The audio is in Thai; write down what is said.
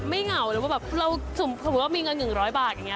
ไม่เหงาหรือว่าสมมุติว่ามีเงิน๑๐๐บาท